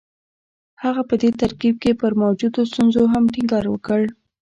هغه په دې ترکيب کې پر موجودو ستونزو هم ټينګار وکړ.